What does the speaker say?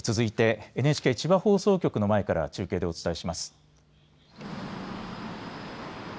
続いてＮＨＫ千葉放送局の前から中継でお伝えします。